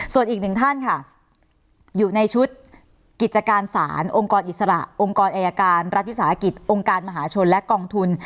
ส่วนอีกหนึ่งท่านค่ะอยู่ในชุดกิจการศาลองค์กรอิสระองค์กรอายการรัฐวิสาหกิจองค์การมหาชนและกองทุน